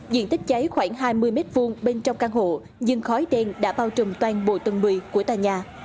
diện tích cháy khoảng hai mươi m hai bên trong căn hộ nhưng khói đen đã bao trùm toàn bộ tầng một mươi của tòa nhà